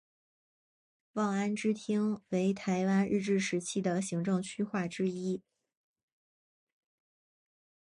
望安支厅为台湾日治时期的行政区划之一。